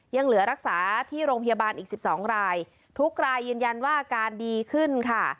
ยังเหลือรักษาที่โรงพยาบาลอีกสิบสองรายทุกรายยืนยันว่าอาการดีขึ้นค่ะ